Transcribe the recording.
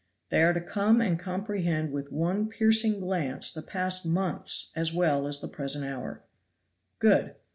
They are to come and comprehend with one piercing glance the past months as well as the present hour. Good.